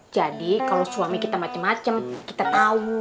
jadi kalau suami kita macem macem kita tahu